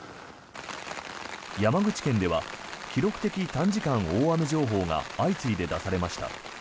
山口県では記録的短時間大雨情報が相次いで出されました。